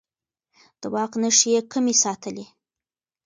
د واک نښې يې کمې ساتلې.